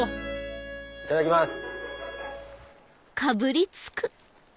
いただきます。